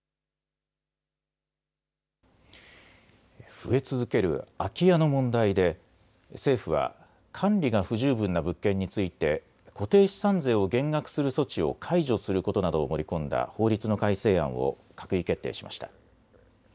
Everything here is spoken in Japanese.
増え続ける空き家の問題で政府は管理が不十分な物件について固定資産税を減額する措置を解除することなどを盛り込んだ法律の改正案を閣議決定しました。